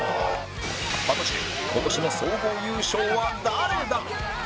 果たして今年の総合優勝は誰だ？